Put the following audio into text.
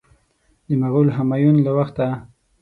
د مغول همایون له وخته.